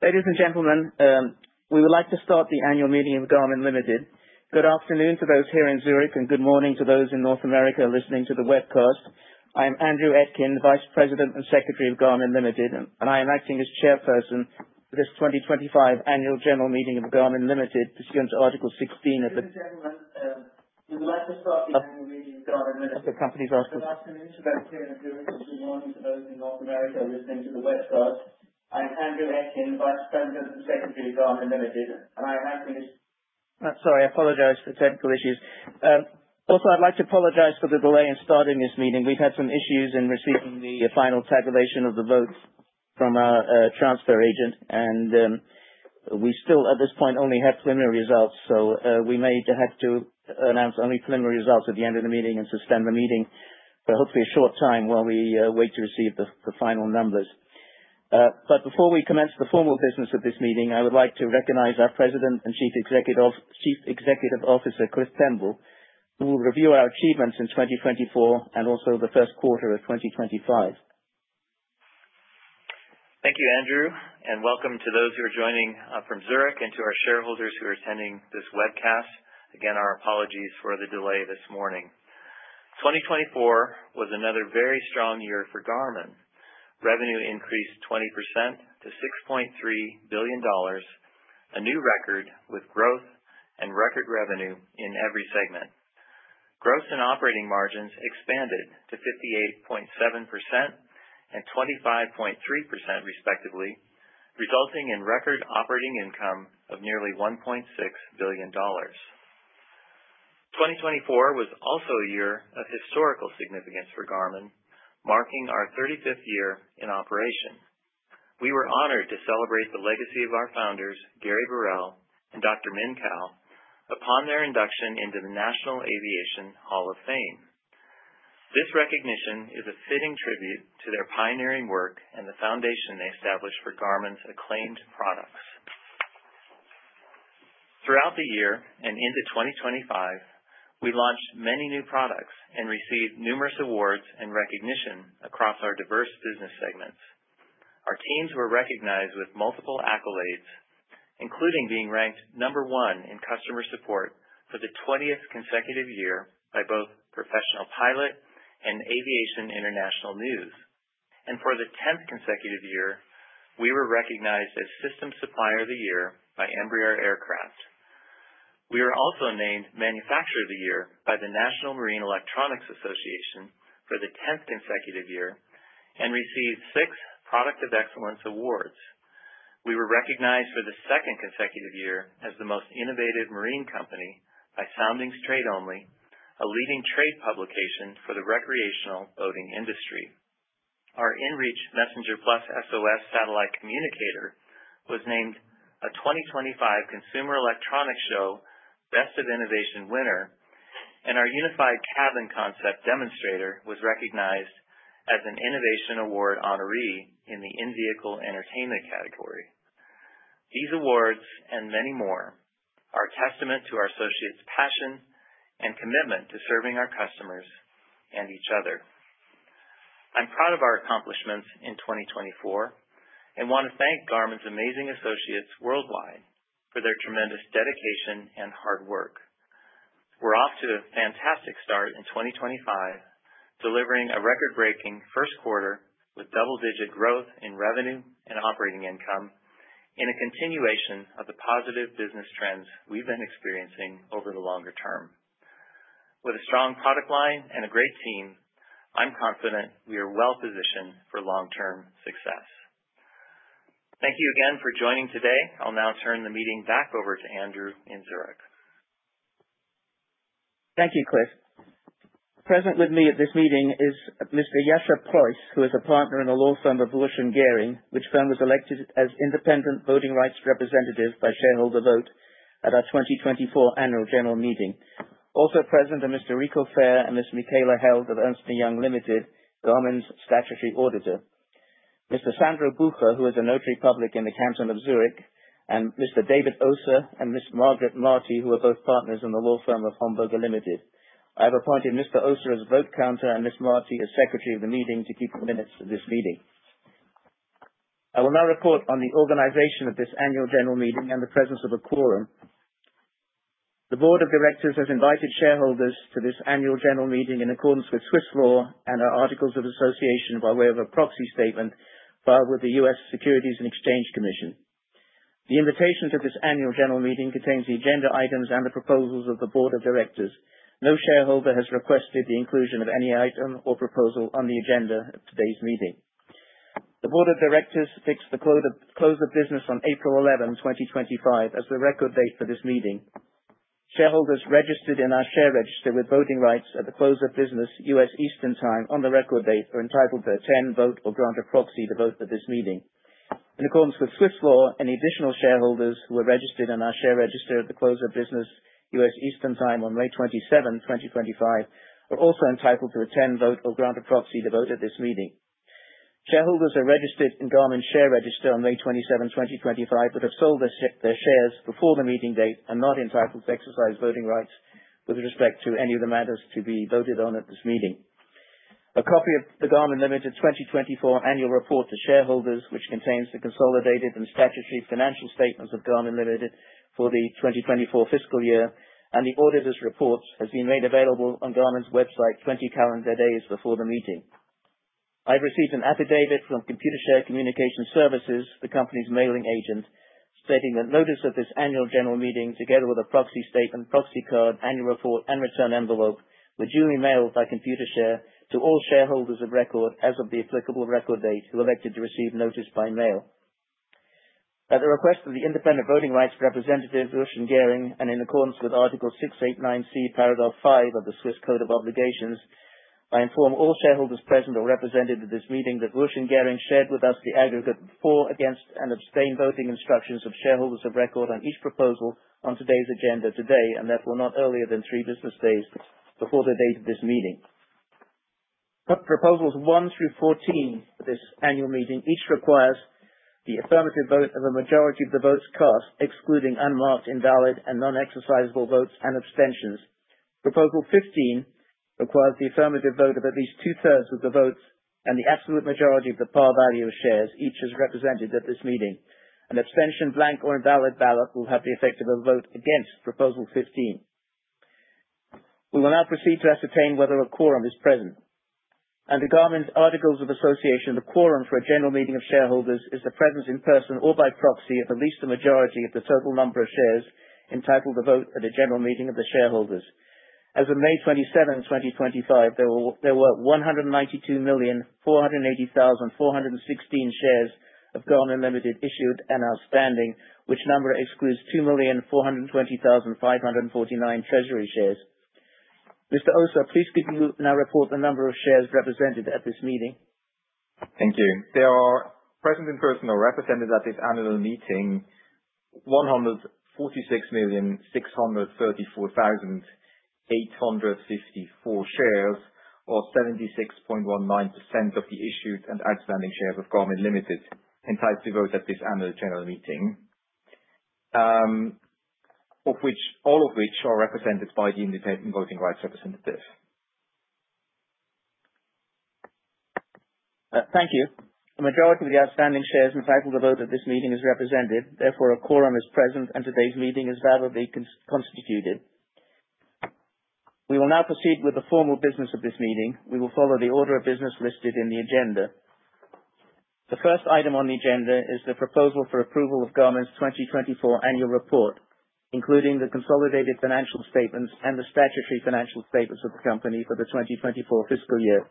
Ladies and gentlemen, we would like to start the Annual General Meeting of Garmin Ltd. Good afternoon to those here in Zurich, and good morning to those in North America listening to the webcast. I'm Andrew Etkind, Vice President and Secretary of Garmin Ltd., and I am acting as Chairperson for this 2025 Annual General Meeting of Garmin Ltd. pursuant to Article 16 of the. Ladies and gentlemen, we would like to start the annual meeting of Garmin. Of the company's Article 16. Good afternoon to those here in Zurich, good morning to those in North America listening to the webcast. I'm Andrew Etkind, Vice President and Secretary of Garmin Ltd., and I am acting as. I'm sorry, I apologize for technical issues. Also, I'd like to apologize for the delay in starting this meeting. We've had some issues in receiving the final tabulation of the votes from our transfer agent, and we still, at this point, only have preliminary results, so we may have to announce only preliminary results at the end of the meeting and suspend the meeting for hopefully a short time while we wait to receive the final numbers. But before we commence the formal business of this meeting, I would like to recognize our President and Chief Executive Officer Cliff Pemble, who will review our achievements in 2024 and also the first quarter of 2025. Thank you, Andrew, and welcome to those who are joining from Zurich and to our shareholders who are attending this webcast. Again, our apologies for the delay this morning. 2024 was another very strong year for Garmin. Revenue increased 20% to $6.3 billion, a new record with growth and record revenue in every segment. Gross and operating margins expanded to 58.7% and 25.3%, respectively, resulting in record operating income of nearly $1.6 billion. 2024 was also a year of historical significance for Garmin, marking our 35th year in operation. We were honored to celebrate the legacy of our founders, Gary Burrell and Dr. Min Kao, upon their induction into the National Aviation Hall of Fame. This recognition is a fitting tribute to their pioneering work and the foundation they established for Garmin's acclaimed products. Throughout the year and into 2025, we launched many new products and received numerous awards and recognition across our diverse business segments. Our teams were recognized with multiple accolades, including being ranked number one in customer support for the 20th consecutive year by both Professional Pilot and Aviation International News, and for the 10th consecutive year, we were recognized as System Supplier of the Year by Embraer. We were also named Manufacturer of the Year by the National Marine Electronics Association for the 10th consecutive year and received six Product of Excellence Awards. We were recognized for the second consecutive year as the most innovative marine company by Soundings Trade Only, a leading trade publication for the recreational boating industry. Our inReach Messenger Plus SOS satellite communicator was named a 2025 Consumer Electronics Show Best of Innovation winner, and our Unified Cabin Concept Demonstrator was recognized as an Innovation Award honoree in the In-Vehicle Entertainment category. These awards and many more are a testament to our associates' passion and commitment to serving our customers and each other. I'm proud of our accomplishments in 2024 and want to thank Garmin's amazing associates worldwide for their tremendous dedication and hard work. We're off to a fantastic start in 2025, delivering a record-breaking first quarter with double-digit growth in revenue and operating income in a continuation of the positive business trends we've been experiencing over the longer term. With a strong product line and a great team, I'm confident we are well-positioned for long-term success. Thank you again for joining today. I'll now turn the meeting back over to Andrew in Zurich. Thank you, Cliff. Present with me at this meeting is Mr. Yasser A. Madriz, who is a partner in the law firm of Wuersch & Gering, which firm was elected as independent voting rights representative by shareholder vote at our 2024 Annual General Meeting. Also present are Mr. Rico Fehr and Ms. Michaela Held of Ernst & Young Ltd, Garmin's statutory auditor. Mr. Sandro Buser, who is a notary public in the canton of Zurich, and Mr. David Oser and Ms. Margrit Marti, who are both partners in the law firm of Homburger Ltd. I have appointed Mr. Oser as vote counter and Ms. Marti as secretary of the meeting to keep the minutes of this meeting. I will now report on the organization of this Annual General Meeting and the presence of a quorum. The Board of Directors has invited shareholders to this annual general meeting in accordance with Swiss law and our Articles of Association by way of a proxy statement filed with the U.S. Securities and Exchange Commission. The invitation to this annual general meeting contains the agenda items and the proposals of the Board of Directors. No shareholder has requested the inclusion of any item or proposal on the agenda of today's meeting. The Board of Directors fixed the close of business on April 11, 2025, as the record date for this meeting. Shareholders registered in our share register with voting rights at the close of business, U.S. Eastern Time, on the record date are entitled to attend, vote, or grant a proxy to vote at this meeting. In accordance with Swiss law, any additional shareholders who are registered in our share register at the close of business, U.S. Eastern Time, on May 27, 2025, are also entitled to attend, vote, or grant a proxy to vote at this meeting. Shareholders are registered in Garmin's share register on May 27, 2025, but have sold their shares before the meeting date and are not entitled to exercise voting rights with respect to any of the matters to be voted on at this meeting. A copy of the Garmin Limited 2024 annual report to shareholders, which contains the consolidated and statutory financial statements of Garmin Limited for the 2024 fiscal year and the auditor's reports, has been made available on Garmin's website 20 calendar days before the meeting. I've received an affidavit from Computershare Communication Services, the company's mailing agent, stating that notice of this annual general meeting, together with a proxy statement, proxy card, annual report, and return envelope, were duly mailed by Computershare to all shareholders of record as of the applicable record date who elected to receive notice by mail. At the request of the independent voting rights representative, Wuersch & Gering, and in accordance with Article 689C, paragraph 5 of the Swiss Code of Obligations, I inform all shareholders present or represented at this meeting that Wuersch & Gering shared with us the aggregate for, against, and abstain voting instructions of shareholders of record on each proposal on today's agenda today, and therefore not earlier than three business days before the date of this meeting. Proposals 1 through 14 for this annual meeting each requires the affirmative vote of a majority of the votes cast, excluding unmarked, invalid, and non-exercisable votes, and abstentions. Proposal 15 requires the affirmative vote of at least two-thirds of the votes and the absolute majority of the par value of shares each as represented at this meeting. An abstention, blank, or invalid ballot will have the effect of a vote against Proposal 15. We will now proceed to ascertain whether a quorum is present. Under Garmin's Articles of Association, the quorum for a general meeting of shareholders is the presence in person or by proxy of at least the majority of the total number of shares entitled to vote at a general meeting of the shareholders. As of May 27, 2025, there were 192,480,416 shares of Garmin Ltd. issued and outstanding, which number excludes 2,420,549 treasury shares. Mr. Oser, please could you now report the number of shares represented at this meeting? Thank you. There are present in person or represented at this annual meeting 146,634,854 shares, or 76.19% of the issued and outstanding shares of Garmin Limited, entitled to vote at this annual general meeting, of which all are represented by the independent voting rights representative. Thank you. A majority of the outstanding shares entitled to vote at this meeting is represented. Therefore, a quorum is present, and today's meeting is validly constituted. We will now proceed with the formal business of this meeting. We will follow the order of business listed in the agenda. The first item on the agenda is the proposal for approval of Garmin's 2024 annual report, including the consolidated financial statements and the statutory financial statements of the company for the 2024 fiscal year.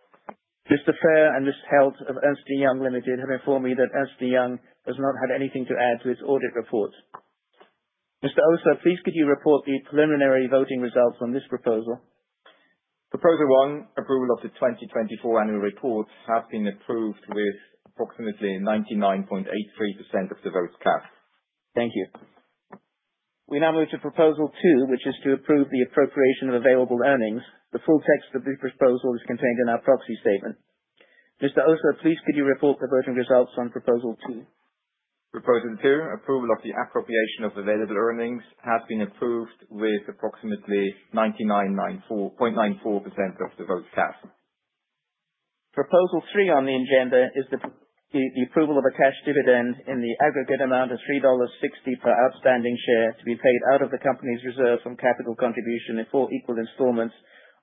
Mr. Fehr and Ms. Held of Ernst & Young Ltd. have informed me that Ernst & Young does not have anything to add to its audit report. Mr. Oser, please could you report the preliminary voting results on this proposal? Proposal 1, approval of the 2024 annual report, has been approved with approximately 99.83% of the votes cast. Thank you. We now move to Proposal 2, which is to approve the appropriation of available earnings. The full text of this proposal is contained in our Proxy Statement. Mr. Oser, please could you report the voting results on Proposal 2? Proposal 2, approval of the appropriation of available earnings, has been approved with approximately 99.94% of the votes cast. Proposal 3 on the agenda is the approval of a cash dividend in the aggregate amount of $3.60 per outstanding share to be paid out of the company's reserve from capital contribution in four equal installments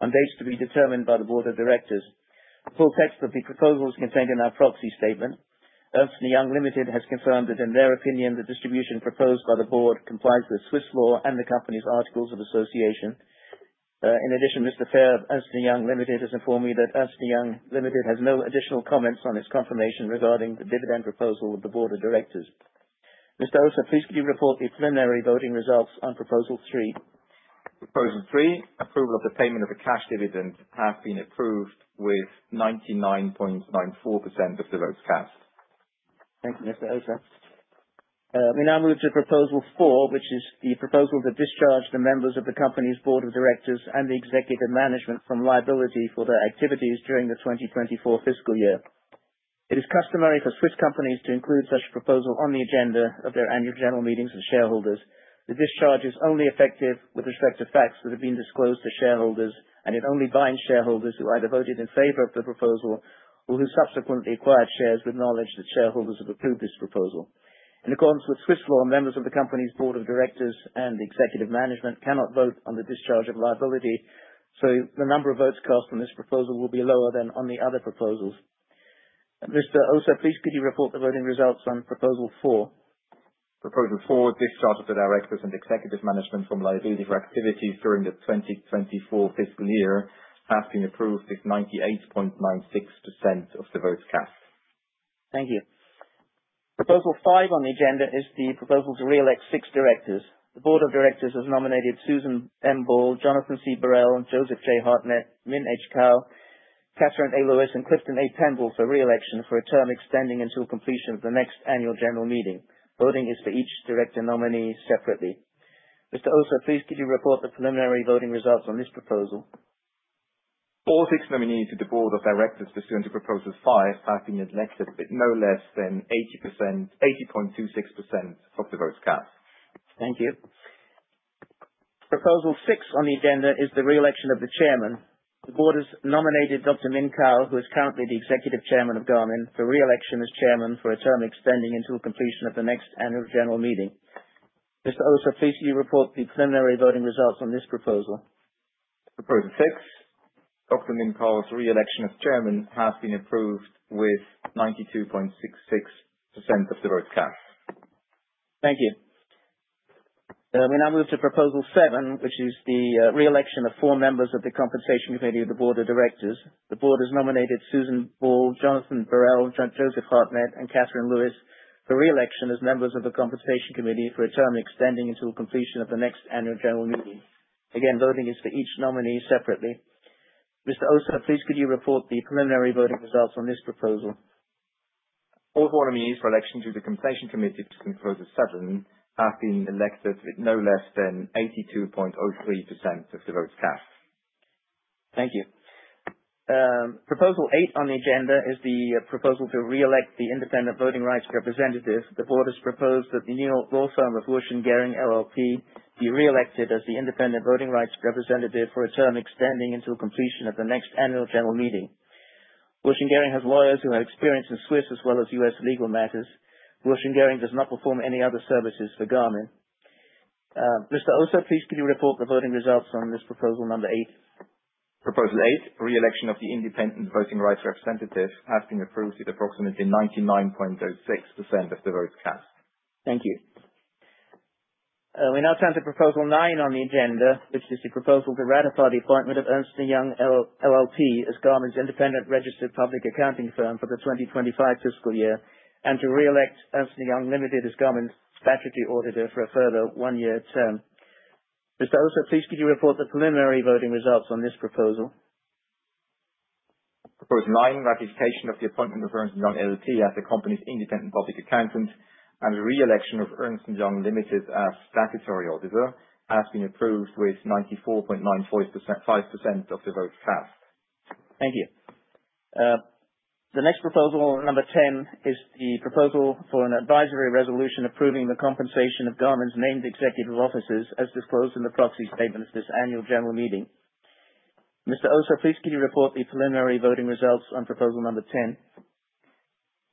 on dates to be determined by the Board of Directors. The full text of the proposal is contained in our proxy statement. Ernst & Young Ltd has confirmed that, in their opinion, the distribution proposed by the board complies with Swiss law and the company's Articles of Association. In addition, Mr. Fehr of Ernst & Young Ltd has informed me that Ernst & Young Ltd has no additional comments on its confirmation regarding the dividend proposal of the Board of Directors. Mr. Oser, please could you report the preliminary voting results on Proposal 3? Proposal 3, approval of the payment of a cash dividend, has been approved with 99.94% of the votes cast. Thank you, Mr. Oser. We now move to Proposal 4, which is the proposal to discharge the members of the company's Board of Directors and the executive management from liability for their activities during the 2024 fiscal year. It is customary for Swiss companies to include such a proposal on the agenda of their annual general meetings with shareholders. The discharge is only effective with respect to facts that have been disclosed to shareholders, and it only binds shareholders who either voted in favor of the proposal or who subsequently acquired shares with knowledge that shareholders have approved this proposal. In accordance with Swiss law, members of the company's Board of Directors and the executive management cannot vote on the discharge of liability, so the number of votes cast on this proposal will be lower than on the other proposals. Mr. Oser, please could you report the voting results on Proposal 4? Proposal 4, discharge of the directors and executive management from liability for activities during the 2024 fiscal year, has been approved with 98.96% of the votes cast. Thank you. Proposal 5 on the agenda is the proposal to re-elect six directors. The Board of Directors has nominated Susan M. Ball, Jonathan C. Burrell, Joseph J. Hartnett, Min H. Kao, Catherine A. Lewis, and Clifton A. Pemble for re-election for a term extending until completion of the next annual general meeting. Voting is for each director nominee separately. Mr. Oser, please could you report the preliminary voting results on this proposal? All six nominees to the Board of Directors pursuant to Proposal 5 have been elected, with no less than 80.26% of the votes cast. Thank you. Proposal 6 on the agenda is the re-election of the chairman. The board has nominated Dr. Min Kao, who is currently the Executive Chairman of Garmin, for re-election as chairman for a term extending until completion of the next Annual General Meeting. Mr. Oser, please could you report the preliminary voting results on this proposal? Proposal 6, Dr. Min Kao's re-election as chairman has been approved with 92.66% of the votes cast. Thank you. We now move to Proposal 7, which is the re-election of four members of the Compensation Committee of the Board of Directors. The Board has nominated Susan Ball, Jonathan Burrell, Joseph Hartnett, and Catherine Lewis for re-election as members of the Compensation Committee for a term extending until completion of the next annual general meeting. Again, voting is for each nominee separately. Mr. Oser, please could you report the preliminary voting results on this proposal? All four nominees for election to the Compensation Committee to Proposal 7 have been elected with no less than 82.03% of the votes cast. Thank you. Proposal eight on the agenda is the proposal to re-elect the independent voting rights representative. The board has proposed that the new law firm of Wuersch & Gering, LLP, be re-elected as the independent voting rights representative for a term extending until completion of the next annual general meeting. Wuersch & Gering has lawyers who have experience in Swiss as well as U.S. legal matters. Wuersch & Gering does not perform any other services for Garmin. Mr. Oser, please could you report the voting results on this proposal number eight? Proposal 8, re-election of the independent voting rights representative, has been approved with approximately 99.06% of the votes cast. Thank you. We now turn to Proposal 9 on the agenda, which is the proposal to ratify the appointment of Ernst & Young LLP as Garmin's independent registered public accounting firm for the 2025 fiscal year and to re-elect Ernst & Young Ltd as Garmin's statutory auditor for a further one-year term. Mr. Oser, please could you report the preliminary voting results on this proposal? Proposal 9, ratification of the appointment of Ernst & Young LLP as the company's independent public accountant and re-election of Ernst & Young Ltd as statutory auditor has been approved with 94.95% of the votes cast. Thank you. The next proposal, number 10, is the proposal for an advisory resolution approving the compensation of Garmin's named executive officers as disclosed in the proxy statement of this annual general meeting. Mr. Oser, please could you report the preliminary voting results on Proposal number 10?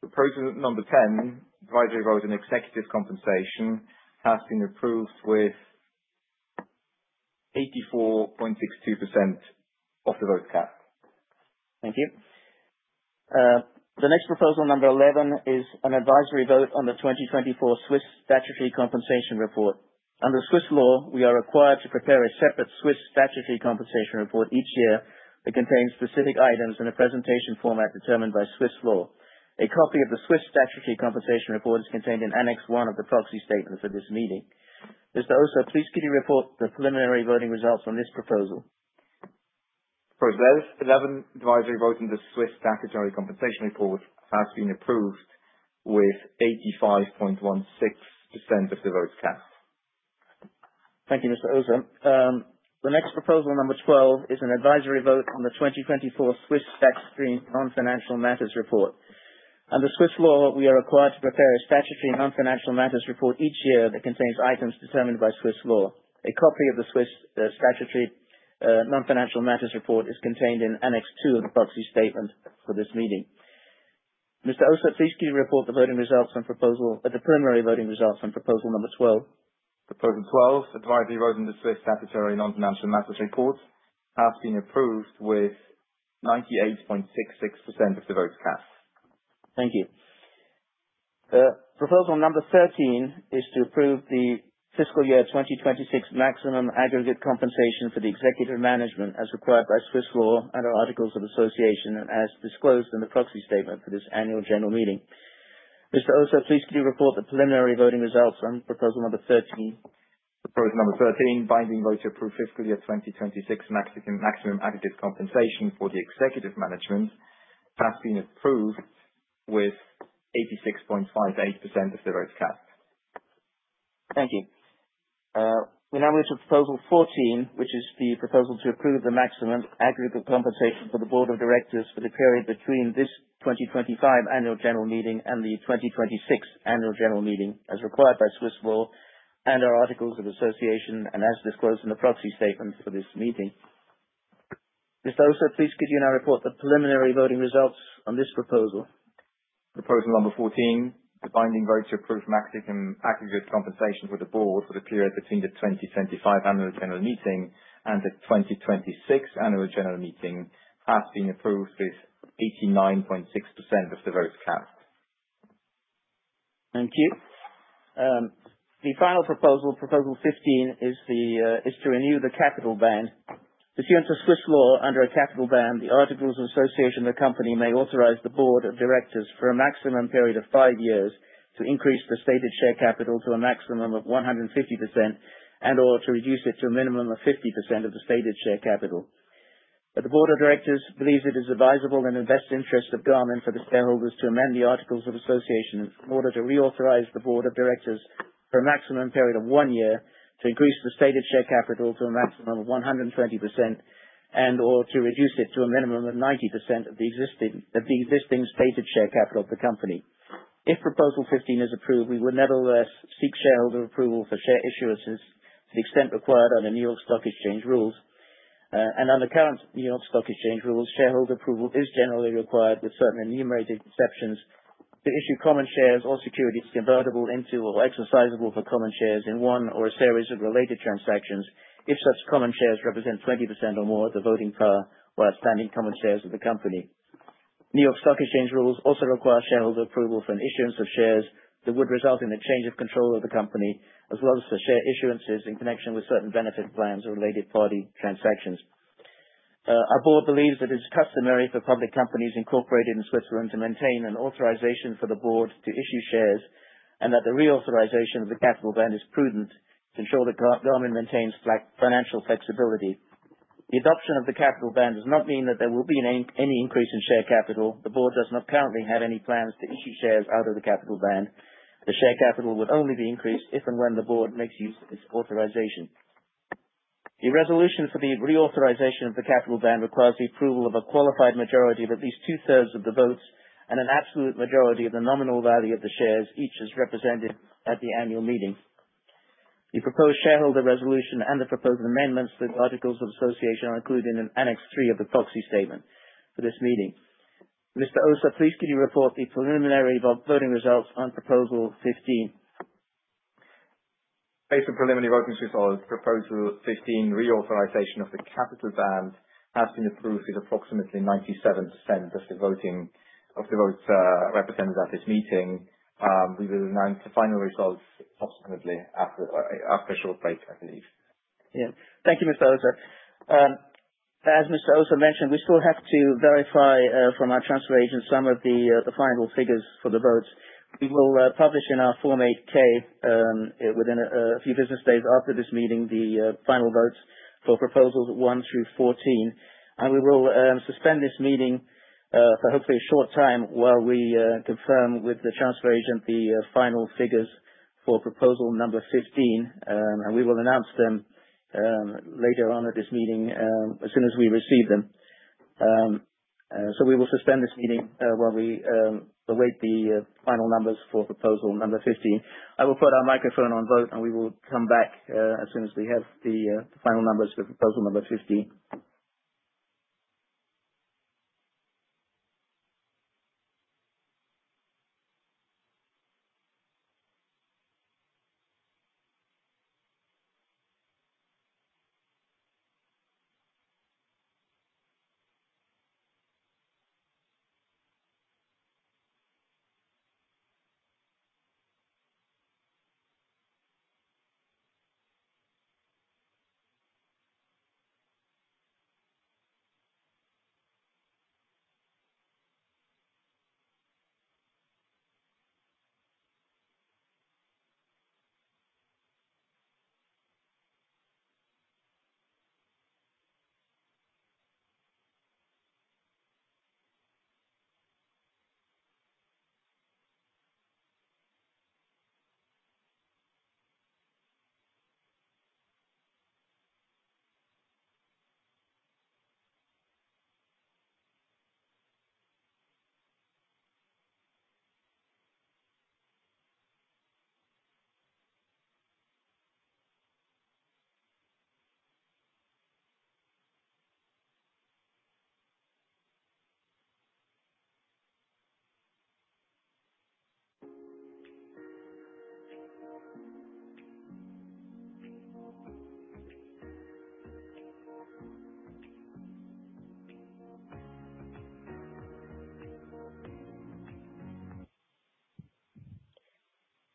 Proposal number 10, advisory vote on executive compensation, has been approved with 84.62% of the votes cast. Thank you. The next proposal, number 11, is an advisory vote on the 2024 Swiss statutory compensation report. Under Swiss law, we are required to prepare a separate Swiss statutory compensation report each year that contains specific items in a presentation format determined by Swiss law. A copy of the Swiss statutory compensation report is contained in Annex 1 of the proxy statement for this meeting. Mr. Oser, please could you report the preliminary voting results on this proposal? Proposal 11, advisory vote on the Swiss statutory compensation report has been approved with 85.16% of the votes cast. Thank you, Mr. Oser. The next proposal, number 12, is an advisory vote on the 2024 Swiss statutory non-financial matters report. Under Swiss law, we are required to prepare a statutory non-financial matters report each year that contains items determined by Swiss law. A copy of the Swiss statutory non-financial matters report is contained in Annex 2 of the proxy statement for this meeting. Mr. Oser, please could you report the preliminary voting results on Proposal number 12? Proposal 12, advisory vote on the Swiss statutory non-financial matters report has been approved with 98.66% of the votes cast. Thank you. Proposal number 13 is to approve the fiscal year 2026 maximum aggregate compensation for the executive management as required by Swiss law and our Articles of Association, and as disclosed in the proxy statement for this annual general meeting. Mr. Oser, please could you report the preliminary voting results on Proposal number 13? Proposal number 13, binding vote to approve fiscal year 2026 maximum aggregate compensation for the executive management has been approved with 86.58% of the votes cast. Thank you. We now move to Proposal 14, which is the proposal to approve the maximum aggregate compensation for the Board of Directors for the period between this 2025 Annual General Meeting and the 2026 Annual General Meeting, as required by Swiss law and our Articles of Association, and as disclosed in the Proxy Statement for this meeting. Mr. Oser, please could you now report the preliminary voting results on this proposal? Proposal number 14, the binding vote to approve maximum aggregate compensation for the board for the period between the 2025 annual general meeting and the 2026 annual general meeting has been approved with 89.6% of the votes cast. Thank you. The final proposal, Proposal 15, is to renew the capital band. Pursuant to Swiss law, under a capital band, the Articles of Association of the company may authorize the Board of Directors for a maximum period of five years to increase the stated share capital to a maximum of 150% and/or to reduce it to a minimum of 50% of the stated share capital. The Board of Directors believes it is advisable in the best interest of Garmin for the shareholders to amend the Articles of Association in order to re-authorize the Board of Directors for a maximum period of one year to increase the stated share capital to a maximum of 120% and/or to reduce it to a minimum of 90% of the existing stated share capital of the company. If Proposal 15 is approved, we would nevertheless seek shareholder approval for share issuances to the extent required under New York Stock Exchange rules. And under current New York Stock Exchange rules, shareholder approval is generally required with certain enumerated exceptions to issue common shares or securities convertible into or exercisable for common shares in one or a series of related transactions if such common shares represent 20% or more of the voting power or outstanding common shares of the company. New York Stock Exchange rules also require shareholder approval for an issuance of shares that would result in a change of control of the company, as well as for share issuances in connection with certain benefit plans or related party transactions. Our board believes that it is customary for public companies incorporated in Switzerland to maintain an authorization for the board to issue shares and that the re-authorization of the capital band is prudent to ensure that Garmin maintains financial flexibility. The adoption of the capital band does not mean that there will be any increase in share capital. The board does not currently have any plans to issue shares out of the capital band. The share capital would only be increased if and when the board makes use of this authorization. The resolution for the re-authorization of the capital band requires the approval of a qualified majority of at least two-thirds of the votes and an absolute majority of the nominal value of the shares each as represented at the annual meeting. The proposed shareholder resolution and the proposed amendments to the Articles of Association are included in Annex 3 of the proxy statement for this meeting. Mr. Oser, please could you report the preliminary voting results on Proposal 15? Based on preliminary voting results, Proposal 15, re-authorization of the capital band, has been approved with approximately 97% of the voting of the votes represented at this meeting. We will announce the final results subsequently after a short break, I believe. Yeah. Thank you, Mr. Oser. As Mr. Oser mentioned, we still have to verify from our transfer agent some of the final figures for the votes. We will publish in our Form 8-K, within a few business days after this meeting, the final votes for Proposals 1 through 14. We will suspend this meeting for hopefully a short time while we confirm with the transfer agent the final figures for Proposal number 15. We will announce them later on at this meeting, as soon as we receive them. We will suspend this meeting while we await the final numbers for Proposal number 15. I will put our microphone on mute, and we will come back as soon as we have the final numbers for Proposal number 15.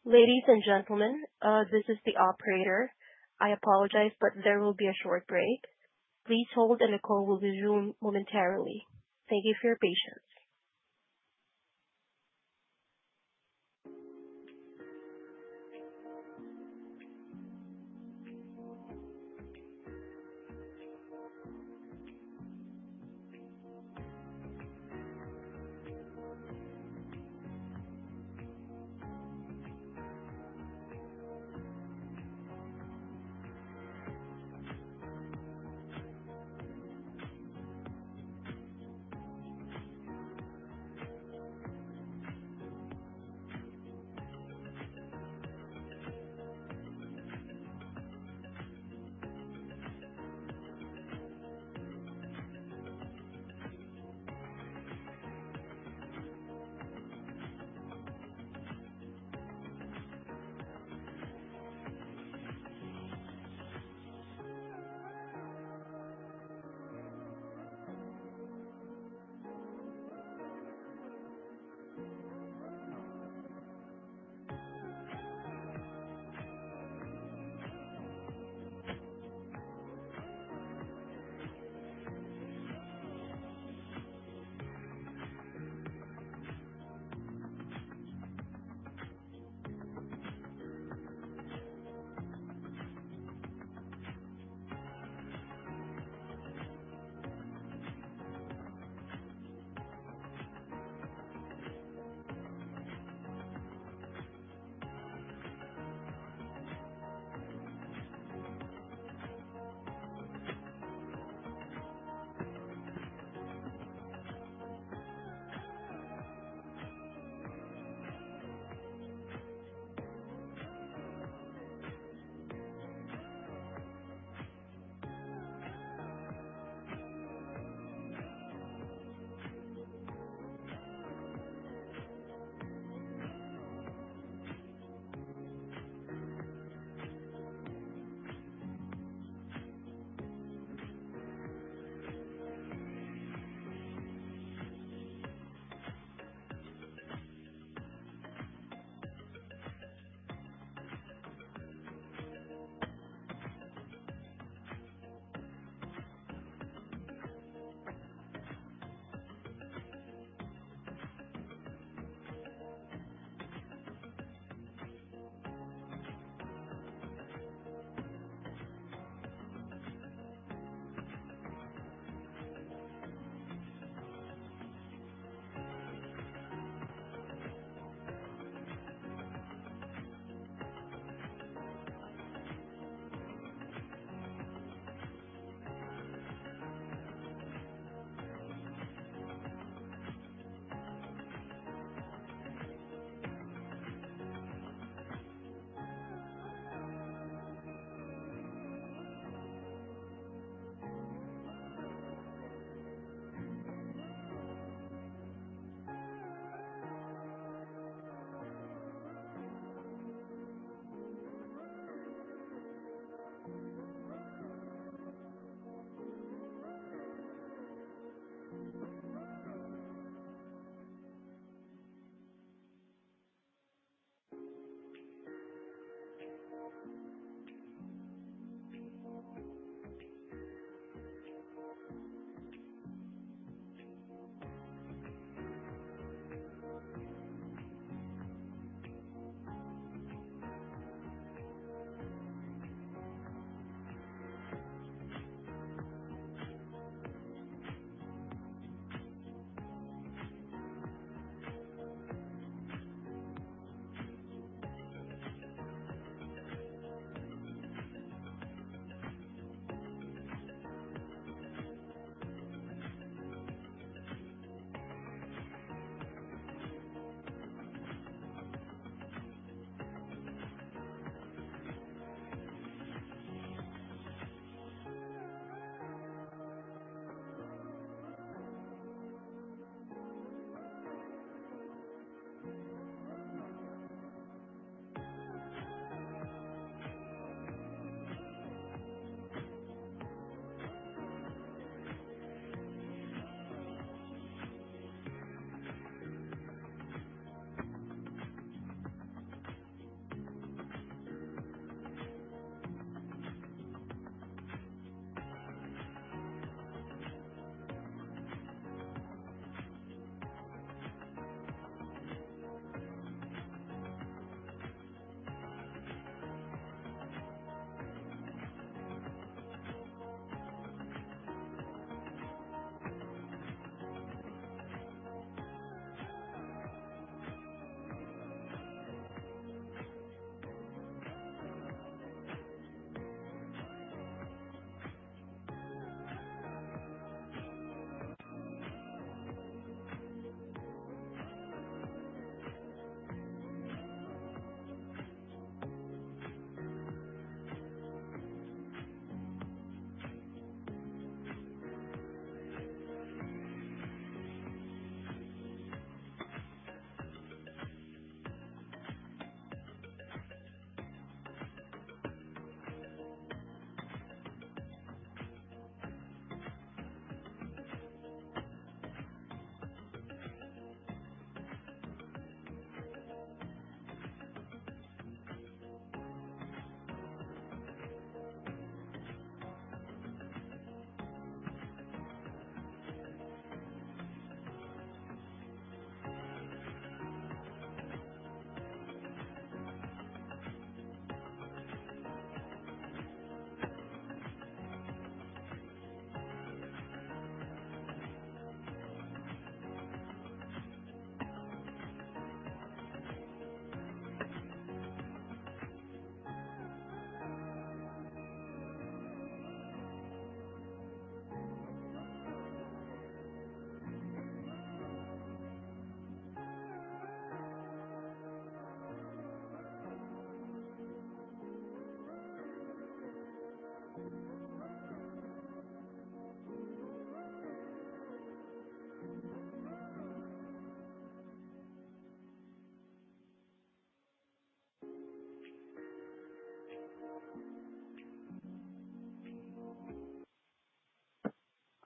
Ladies and gentlemen, this is the operator. I apologize, but there will be a short break. Please hold, and the call will be resumed momentarily. Thank you for your patience.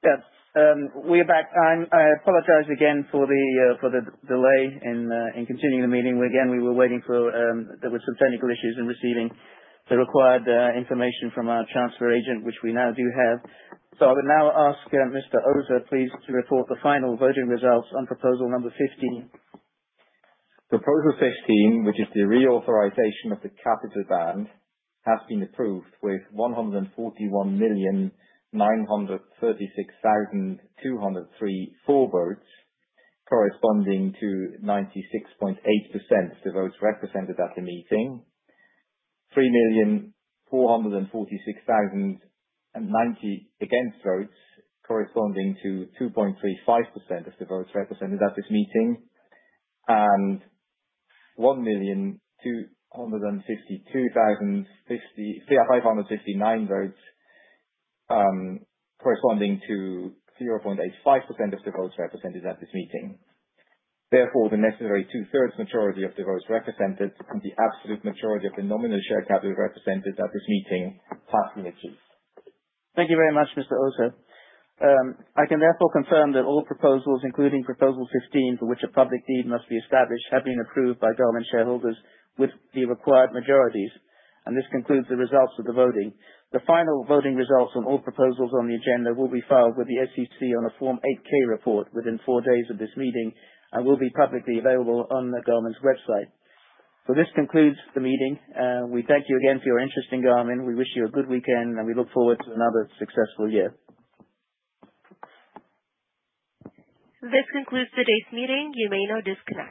Yes. We are back. I apologize again for the delay in continuing the meeting. Again, we were waiting for some technical issues in receiving the required information from our transfer agent, which we now do have. So I would now ask Mr. Oser, please, to report the final voting results on Proposal number 15. Proposal 15, which is the re-authorization of the capital band, has been approved with 141,936,203 full votes, corresponding to 96.8% of the votes represented at the meeting, 3,446,090 against votes, corresponding to 2.35% of the votes represented at this meeting, and 1,252,059 votes, corresponding to 0.85% of the votes represented at this meeting. Therefore, the necessary two-thirds majority of the votes represented and the absolute majority of the nominal share capital represented at this meeting has been achieved. Thank you very much, Mr. Oser. I can therefore confirm that all proposals, including Proposal 15, for which a public deed must be established, have been approved by Garmin shareholders with the required majorities, and this concludes the results of the voting. The final voting results on all proposals on the agenda will be filed with the SEC on a Form 8-K report within four days of this meeting and will be publicly available on Garmin's website, so this concludes the meeting. We thank you again for your interest in Garmin. We wish you a good weekend, and we look forward to another successful year. This concludes today's meeting. You may now disconnect.